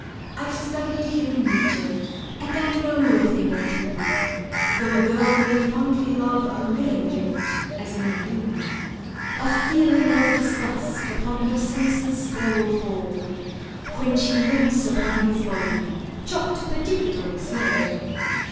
"I've studied human nature, and I know a thing or two: Though a girl may fondly love a living gent, as many do— A feeling of disgust upon her senses there will fall When she looks upon his body chopped particularly small."